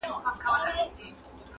چي ناڅاپه مي ور وښودل غاښونه-